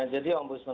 jadi om budsman